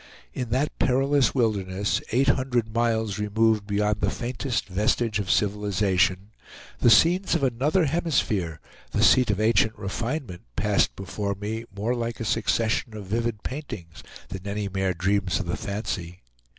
In that perilous wilderness, eight hundred miles removed beyond the faintest vestige of civilization, the scenes of another hemisphere, the seat of ancient refinement, passed before me more like a succession of vivid paintings than any mere dreams of the fancy.